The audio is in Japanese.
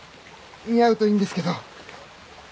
似合うといいんですけど。